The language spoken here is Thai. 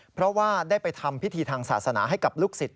เพราะว่าได้ไปทำพิธีทางศาสนาให้กับลูกศิษย